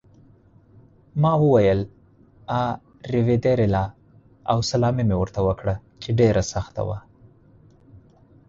ما وویل: 'A rivederla' او سلامي مې ورته وکړه چې ډېره سخته وه.